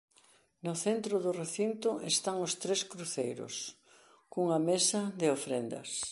No centro do recinto están os tres cruceiros cunha mesa de ofrendas.